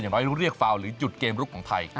น้อยเรียกฟาวหรือจุดเกมลุกของไทย